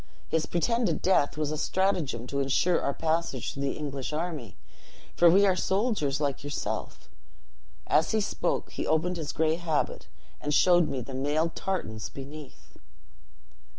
His pretended death was a stratagem to insure our passage through the English army; for we are soldiers like yourself.' As he spoke, he opened his gray habit, and showed me the mailed tartans beneath."